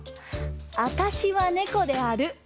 「あたしは猫である」